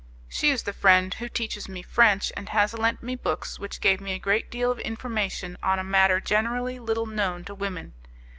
She is the friend who teaches me French, and has lent me books which gave me a great deal of information on a matter generally little known to women.